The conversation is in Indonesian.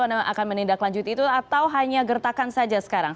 anda akan menindaklanjuti itu atau hanya gertakan saja sekarang